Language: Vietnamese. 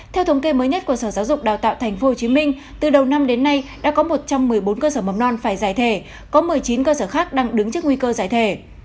theo thống kê mới nhất của sở giáo dục đào tạo tp hcm từ đầu năm đến nay đã có một trăm một mươi bốn cơ sở mầm non phải giải thể có một mươi chín cơ sở khác đang đứng trước nguy cơ giải thể